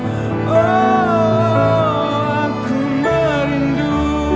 oh aku merindu